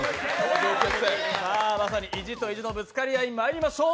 まさに意地と意地のぶつかり合い、まいりましょう。